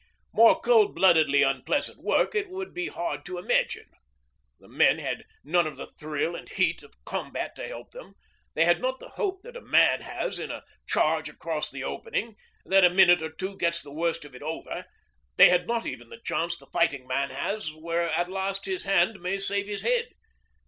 More cold bloodedly unpleasant work it would be hard to imagine. The men had none of the thrill and heat of combat to help them; they had not the hope that a man has in a charge across the open that a minute or two gets the worst of it over; they had not even the chance the fighting man has where at least his hand may save his head.